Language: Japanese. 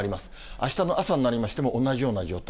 あしたの朝になりましても、同じような状態。